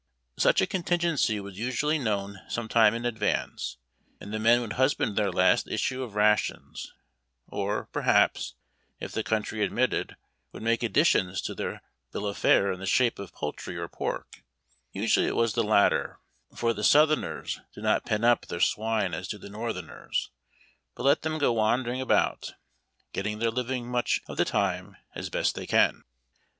Such a contingency was usually known some time in advance, and the men would husband their last issue of rations, or, per haps, if the country admitted, would make additions to their bill of fare in the shape of poultry or pork; — usually it was the latter, for the Southerners do not pen up their swine as do the Northerners, but let them go wandering about, get ting their living much of the time as best they can.